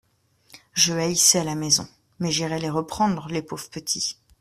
Je haïssais la maison … Mais j'irai les reprendre, les pauvres petits.